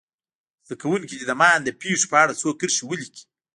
زده کوونکي دې د ماین د پېښو په اړه څو کرښې ولیکي.